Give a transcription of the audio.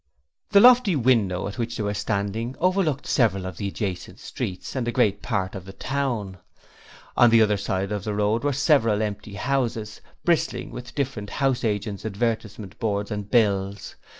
The lofty window at which they were standing overlooked several of the adjacent streets and a great part of the town. On the other side of the road were several empty houses, bristling with different house agents' advertisement boards and bills.